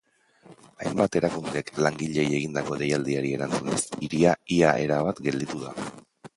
Hainbat erakundek langileei egindako deialdiari erantzunez, hiria ia erabat gelditu da.